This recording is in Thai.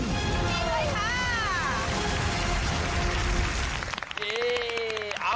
ขอบคุณค่ะ